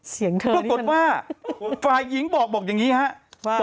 เพราะกฎว่าฝ่ายหญิงบอกอย่างนี้ครับ